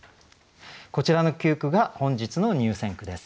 こちらの９句が本日の入選句です。